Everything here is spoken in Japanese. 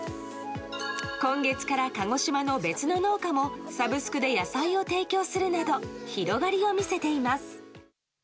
今月から、鹿児島の別の農家もサブスクで野菜を提供するなど広がりを見せています。